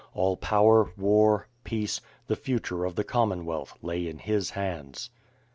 All power, war, peace, the future of the Commonwealth lay in his hands.